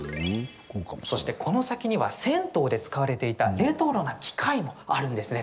そして、この先には銭湯で使われていたレトロな機械もあるんですね。